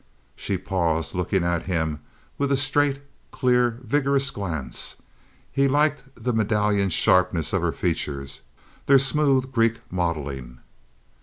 She paused, looking at him with a straight, clear, vigorous glance. He liked the medallion sharpness of her features—their smooth, Greek modeling.